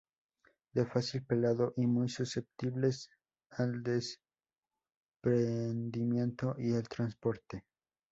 De fácil pelado, y muy susceptibles al desprendimiento y al transporte.